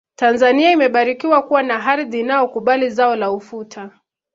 tanzania imebarikiwa kuwa na ardhi inayokubali zao la ufuta